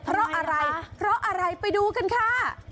เพราะอะไรไปดูกันค่ะ